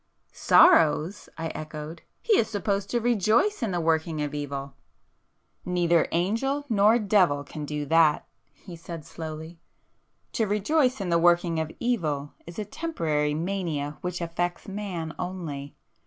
"Sorrows!" I echoed—"He is supposed to rejoice in the working of evil!" "Neither angel nor devil can do that,"—he said slowly—"To rejoice in the working of evil is a temporary mania which affects man only.